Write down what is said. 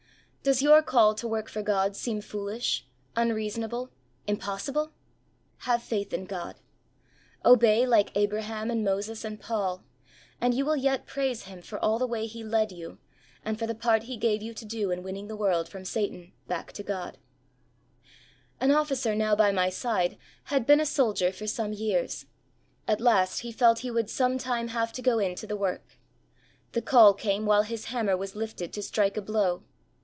Does your call to work for God seem foolish, unreasonable, impossible ?" Have faith in God." Obey like Abraham and Moses and Paul, and you will yet praise Him for all the way He led you and for the part He gave you to do in winning the world from Satan back to God FOOLS FOR CHRIST'S SAKE. II9 An Officer now by my side had been a Soldier for some years ; at last he felt he would some time have to go into the work. The call came while his hammer was lifted to strike a blow.